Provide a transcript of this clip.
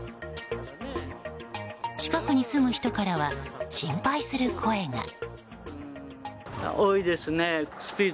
近くに住む人からは心配する声が。